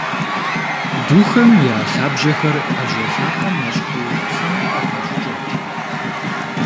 Духэм я лъабжьэхэр ӏэжьэ лъакъуэм ещхьу пхъэм къыхащӏыкӏырт.